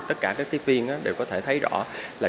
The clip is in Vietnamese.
tất cả các tiếp viên đều có thể thấy rõ là